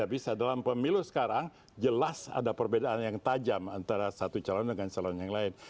bisa dalam pemilu sekarang jelas ada perbedaan yang tajam antara satu calon dengan calon yang lain